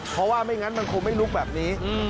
เพราะว่าไม่งั้นมันคงไม่ลุกแบบนี้